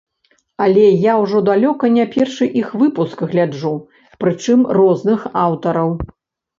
Але я ўжо далёка не першы іх выпуск гляджу, прычым розных аўтараў.